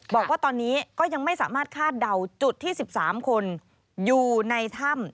บอกว่าตอนนี้ก็ยังไม่สามารถคาดเดาจุดที่๑๓คนอยู่ในถ้ำ